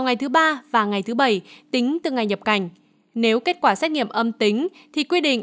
ngày thứ ba và ngày thứ bảy tính từ ngày nhập cảnh nếu kết quả xét nghiệm âm tính thì quy định